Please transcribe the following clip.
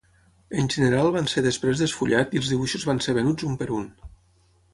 En general van ser després desfullat i els dibuixos van ser venuts un per un.